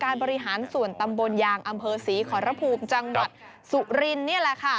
บริหารส่วนตำบลยางอำเภอศรีขอรภูมิจังหวัดสุรินนี่แหละค่ะ